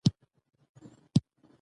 هغه دنس ناستې ناروغې درلوده